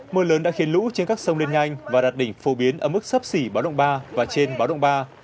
mưa lớn đã khiến lũ trên các sông lên nhanh và đạt đỉnh phổ biến ở mức sấp xỉ báo động ba và trên báo động ba